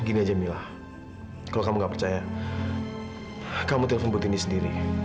gini aja mila kalau kamu enggak percaya kamu telepon butini sendiri